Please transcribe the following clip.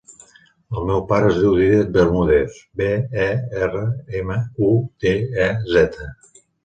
El meu pare es diu Dídac Bermudez: be, e, erra, ema, u, de, e, zeta.